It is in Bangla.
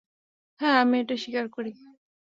হ্যাঁ, আমি এটা স্বীকার করি।